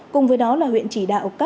cùng với đó là huyện chỉ đạo các xã